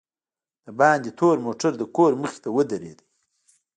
دباندې تور موټر دکور مخې ته ودرېد.